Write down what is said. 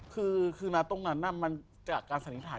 คือนั้นตรงนั้นมันการสันนิทหา